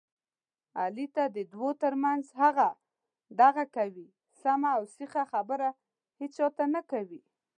علي تل د دوو ترمنځ هغه دغه کوي، سمه اوسیخه خبره هېچاته نه کوي.